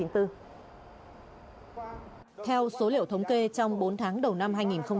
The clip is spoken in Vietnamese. theo số liệu thống kê trong bốn tháng đầu năm hai nghìn một mươi chín